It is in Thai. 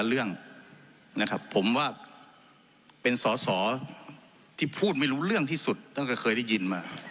เรื่องนะครับผมว่าเป็นสอสอที่พูดไม่รู้เรื่องที่สุดท่านก็เคยได้ยินมา